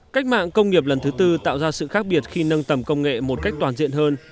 cách mạng công nghiệp lần thứ tư tạo ra sự khác biệt khi nâng tầm công nghệ một cách toàn diện hơn